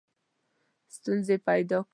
ستونزي پیدا کړي.